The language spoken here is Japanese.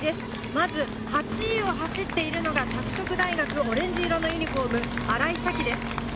まず８位を走っているのが拓殖大学、オレンジ色のユニホーム、新井沙希です。